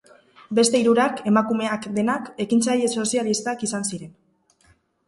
Beste hirurak, emakumeak denak, ekintzaile sozialistak izan ziren.